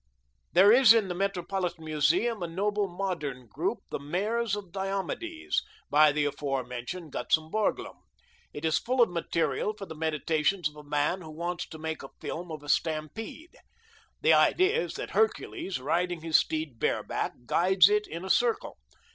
There is in the Metropolitan Museum a noble modern group, the Mares of Diomedes, by the aforementioned Gutzon Borglum. It is full of material for the meditations of a man who wants to make a film of a stampede. The idea is that Hercules, riding his steed bareback, guides it in a circle.